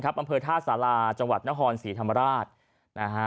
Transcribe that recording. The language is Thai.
อำเภอท่าสาราจังหวัดนครศรีธรรมราชนะฮะ